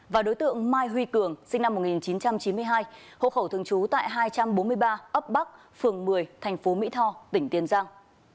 và đối tượng mai huy cường sinh năm một nghìn chín trăm chín mươi hai hộ khẩu thường trú tại hai trăm bốn mươi ba ấp bắc phường một mươi thành phố mỹ tho tỉnh tiền giang